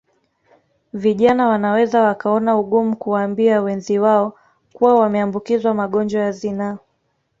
Vijana wanaweza wakaona ugumu kuwaambia wenzi wao kuwa wameambukizwa magonjwa ya zinaa